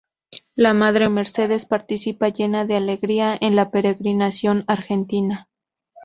La Madre Mercedes participa llena de alegría de la peregrinación argentina.